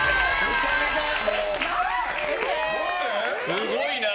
すごいな。